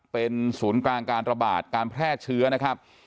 เป็นศูนย์กลางการระบาดการแพร่เชื้อนะครับ